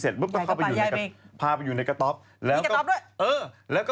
ทำไมต้องเขียว